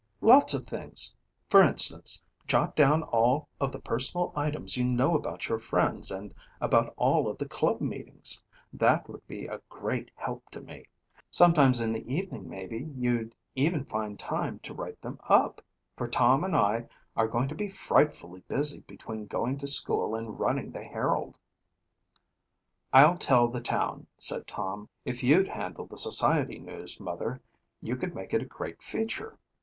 "Lots of things. For instance, jot down all of the personal items you know about your friends and about all of the club meetings. That would be a great help to me. Sometimes in the evening maybe you'd even find time to write them up, for Tom and I are going to be frightfully busy between going to school and running the Herald." "I'll tell the town," said Tom. "If you'd handle the society news, Mother, you could make it a great feature.